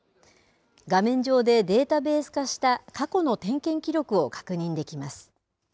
画面上でデータベース化した過去の点検記録を確認できます。